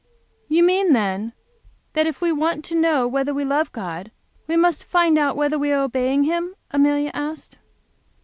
"You mean, then, that if we want to know whether we love God, we must find out whether we are obeying Him?" Amelia asked.